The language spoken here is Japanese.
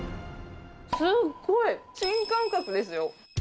すごい！新感覚ですよ。